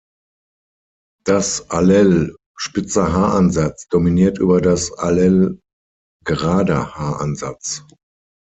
Das Allel „spitzer Haaransatz“ dominiert über das Allel „gerader Haaransatz“.